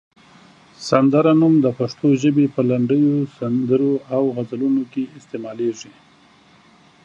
سنځله نوم د پښتو ژبې په لنډیو، سندرو او غزلونو کې استعمالېږي.